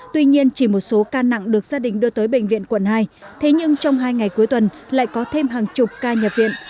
tuy nhiên chỉ một số ca nặng được gia đình đưa tới bệnh viện quận hai thế nhưng trong hai ngày cuối tuần lại có thêm hàng chục ca nhập viện